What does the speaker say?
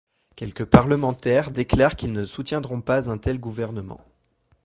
Quelques parlementaires déclarent qu'ils ne soutiendront pas un tel gouvernement.